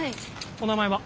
お名前は？